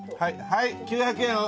はい９００円を。